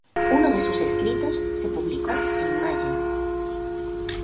Uno de sus escritos se publicó en maya.